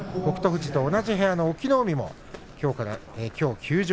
富士と同じ部屋の隠岐の海もきょうから休場。